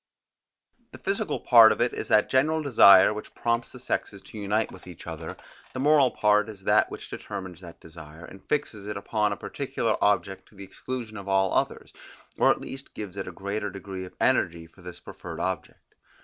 The physical part of it is that general desire which prompts the sexes to unite with each other; the moral part is that which determines that desire, and fixes it upon a particular object to the exclusion of all others, or at least gives it a greater degree of energy for this preferred object.